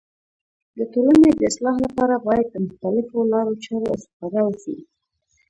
د ټولني د اصلاح لپاره باید د مختلیفو لارو چارو استفاده وسي.